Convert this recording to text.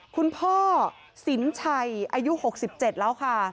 คุณพ่อสินชัยอายุ๖๗แล้วค่ะ